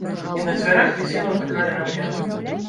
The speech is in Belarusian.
І на дзвярах вісела такая аб'ява.